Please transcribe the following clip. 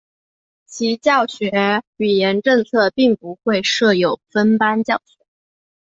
其教学语言政策并不会设有分班教学。